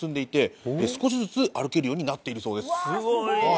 すごい！